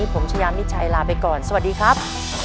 ผมชายามิดชัยลาไปก่อนสวัสดีครับ